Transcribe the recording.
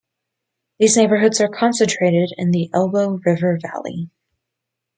These neighbourhoods are concentrated in the Elbow River valley.